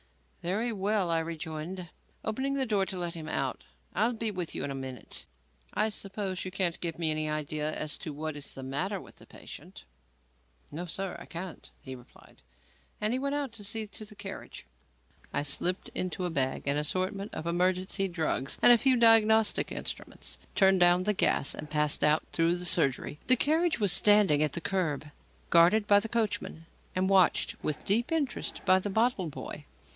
"Very well," I rejoined, opening the door to let him out, "I'll be with you in a minute. I suppose you can't give me any idea as to what is the matter with the patient?" "No, sir, I can't," he replied; and he went out to see to the carriage. I slipped into a bag an assortment of emergency drugs and a few diagnostic instruments, turned down the gas and passed out through the surgery. The carriage was standing at the kerb, guarded by the coachman and watched with deep interest by the bottle boy.